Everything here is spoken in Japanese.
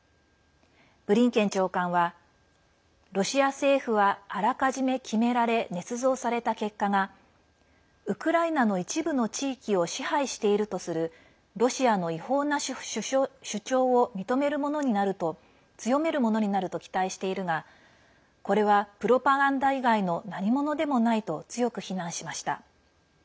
ブリンケン長官はロシア政府はあらかじめ決められねつ造された結果がウクライナの一部の地域を支配しているとするロシアの違法な主張を強めるものになると期待しているがこれは、プロパガンダ以外のなにものでもないと強く非難しました。